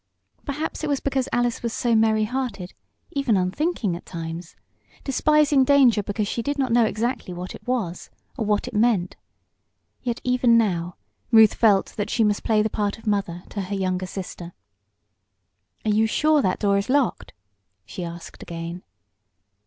Perhaps it was because Alice was so merry hearted even unthinking at times; despising danger because she did not know exactly what it was or what it meant. Yet even now Ruth felt that she must play the part of mother to her younger sister. "Are you sure that door is locked?" she asked again.